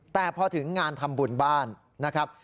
แต่พอถึงงานทำบุญบ้านนะครับ